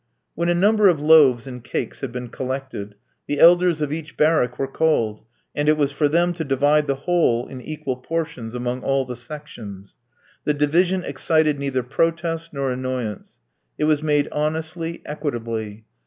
When a number of loaves and cakes had been collected, the elders of each barrack were called, and it was for them to divide the whole in equal portions among all the sections. The division excited neither protest nor annoyance. It was made honestly, equitably.